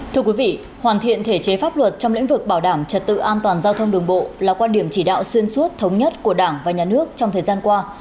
thưa quý vị hoàn thiện thể chế pháp luật trong lĩnh vực bảo đảm trật tự an toàn giao thông đường bộ là quan điểm chỉ đạo xuyên suốt thống nhất của đảng và nhà nước trong thời gian qua